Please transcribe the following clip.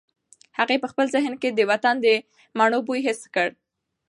هغې په خپل ذهن کې د وطن د مڼو بوی حس کړ.